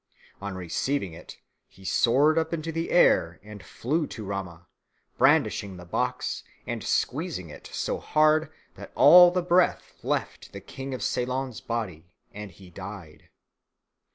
On receiving it he soared up into the air and flew to Rama, brandishing the box and squeezing it so hard that all the breath left the King of Ceylon's body, and he died.